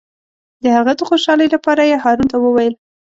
د هغه د خوشحالۍ لپاره یې هارون ته وویل.